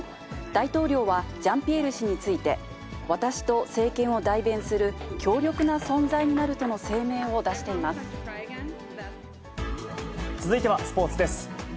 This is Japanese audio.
大統領はジャンピエール氏について私と政権を代弁する強力な存在続いてはスポーツです。